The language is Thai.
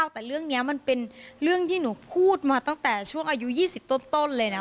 แต่เรื่องนี้มันเป็นเรื่องที่หนูพูดมาตั้งแต่ช่วงอายุ๒๐ต้นเลยนะ